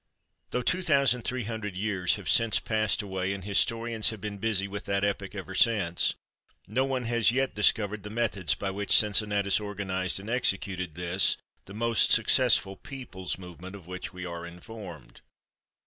Though 2,300 years have since passed away and historians have been busy with that epoch ever since, no one has yet discovered the methods by which Cincinnatus organized and executed this, the most successful "People's Movement" of which we are informed.